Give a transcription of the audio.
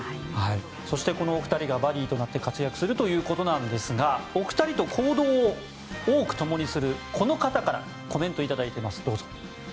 そして、このお二人がバディーとなって活躍するということなんですがお二人と行動を多くともにするこの方からコメントを頂いています。